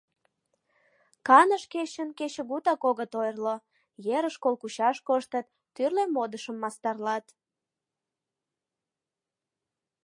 Каныш кечын кечыгутак огыт ойырло: ерыш кол кучаш коштыт, тӱрлӧ модышым мастарлат.